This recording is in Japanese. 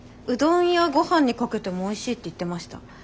うどんやごはんにかけてもおいしいって言ってました。